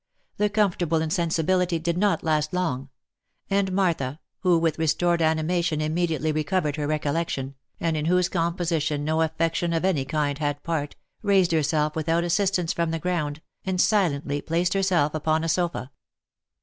The comfortable insensibility did not last long ; and Martha, who with restored ani mation immediately recovered her recollection, and in whose com position no affectation of any kind had part, raised herself without assistance from the ground, and silently placed herself upon a sofa.